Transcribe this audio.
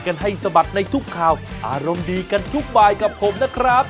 คุณผู้ชมกับผมนะครับ